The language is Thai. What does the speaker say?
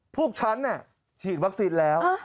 พวกฉันฉีดวัคซีนแล้ว